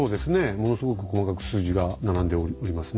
ものすごく細かく数字が並んでおりますね。